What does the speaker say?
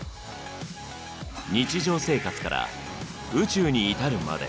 日常生活から宇宙に至るまで。